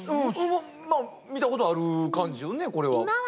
まあ見たことある感じよねこれは。